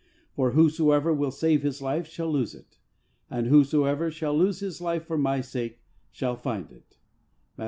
For whosoever will save his life shall lose it, and whosoever shall lose his life for My sake shall find it " (Mait.